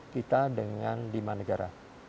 kita dengan lima negara